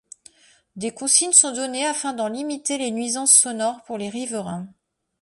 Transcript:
Des consignes sont données afin d'en limiter les nuisances sonores pour les riverains.